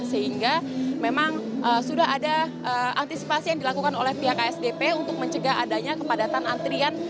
sehingga memang sudah ada antisipasi yang dilakukan oleh pihak asdp untuk mencegah adanya kepadatan antrian